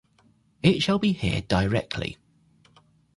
It shall be here directly.